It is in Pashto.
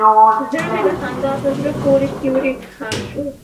زړه مې د خندا په زړه پورې سیوري کې ښخ شو.